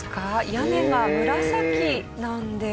屋根が紫なんです。